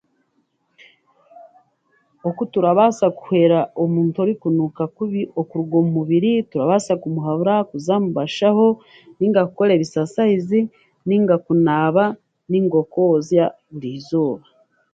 Okuturabaasa kuhweera omuntu orikunuuka kubi okuruga omumubiri, turabaasa kumuhabura kuza mu bashaho, ninga kukora ebisasayizi, ninga kunaaba, ninga okwooza burizooba.